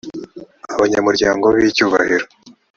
abanyamuryango b icyubahiro